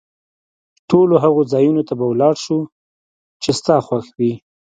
ټولو هغو ځایونو ته به ولاړ شو، چي ستا خوښ وي.